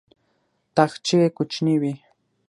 تاخچې یې کوچنۍ وې.